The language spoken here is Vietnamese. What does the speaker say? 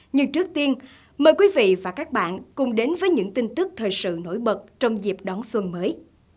nhưng trước tiên mời quý vị và các bạn cùng đến với những tin tức thời sự nổi bật trong dịp đón xuân mới